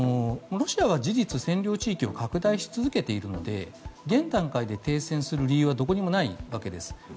ロシアは事実占領地域を拡大し続けているので現段階で停戦する理由はどこにもないわけです。